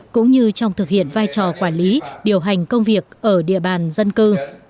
cũng như trong thực hiện vai trò quản lý điều hành công việc ở địa bàn dân cư